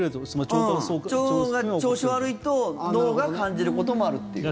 腸が調子悪いと脳が感じることもあるという。